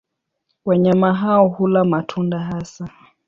Wanyama hao hula matunda hasa.